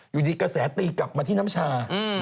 อยู่ดีกระแสตีกลับมาที่น้ำชา